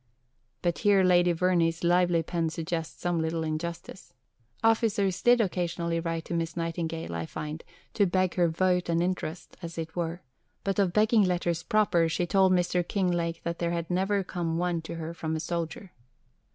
But here Lady Verney's lively pen suggests some little injustice. Officers did occasionally write to Miss Nightingale, I find, to beg her "vote and interest," as it were; but of begging letters proper, she told Mr. Kinglake that there had never come one to her from a soldier.